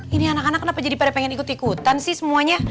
ini anak anak kenapa jadi pada pengen ikut ikutan sih semuanya